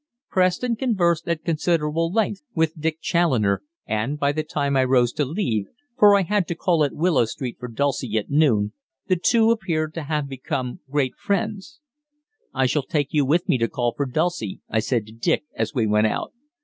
Preston conversed at considerable length with Dick Challoner, and, by the time I rose to leave for I had to call at Willow Street for Dulcie at noon the two appeared to have become great friends. "I shall take you with me to call for Dulcie," I said to Dick as we went out.